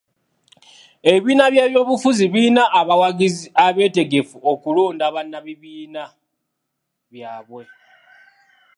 Ebibiina by'ebyobufuzi birina abawagizi abeetegefu okulonda bannabibiina byabwe.